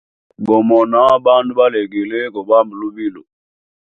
Gomona bandu balegele gobamba lubilo.